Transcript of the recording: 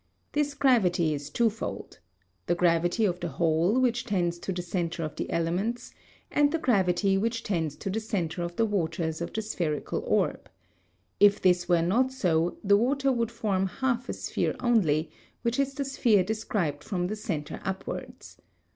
This gravity is twofold, the gravity of the whole which tends to the centre of the elements, and the gravity which tends to the centre of the waters of the spherical orb; if this were not so the water would form a half sphere only, which is the sphere described from the centre upwards.